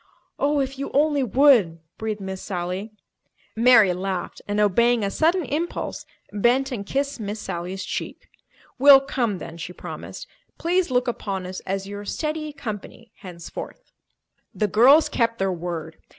"Oh, if you only would!" breathed Miss Sally. Mary laughed and, obeying a sudden impulse, bent and kissed Miss Sally's cheek. "We'll come then," she promised. "Please look upon us as your 'steady company' henceforth." The girls kept their word.